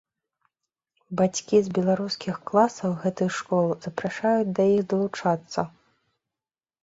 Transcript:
Бацькі з беларускіх класаў гэтых школ запрашаюць да іх далучацца.